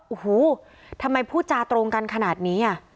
โอ้โหทำไมพูดจาตรงกันขนาดนี้